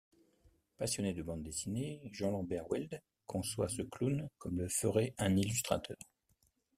Passionné de Bande Dessinée, Jean Lambert-wild conçoit ce clown comme le ferait un illustrateur.